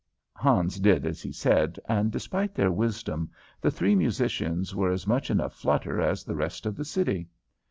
Hans did as he said, and, despite their wisdom, the three musicians were as much in a flutter as the rest of the city.